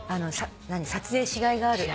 撮影しがいがある。